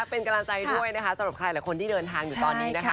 เป็นกะลังใจด้วยสำหรับใครคนที่เหมือนทางอยู่ตอนนี้